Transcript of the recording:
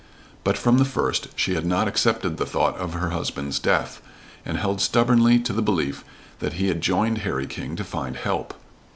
But from the first she had not accepted the thought of her husband's death, and held stubbornly to the belief that he had joined Harry King to find help.